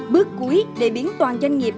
bước cuối để biến toàn doanh nghiệp